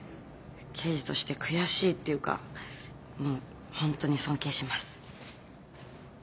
刑事として悔しいっていうかもうホントに尊敬します。